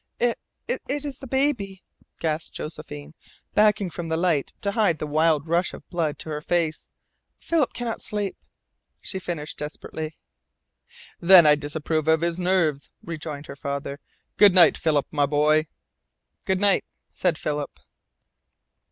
"It it is the baby," gasped Josephine, backing from the light to hide the wild rush of blood to her face. "Philip cannot sleep," she finished desperately. "Then I disapprove of his nerves," rejoined her father. "Good night, Philip, my boy!" "Good night!" said Philip.